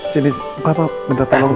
sini papa bentar tolong